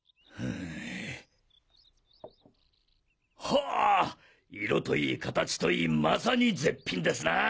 ホォー色といい形といいまさに絶品ですな！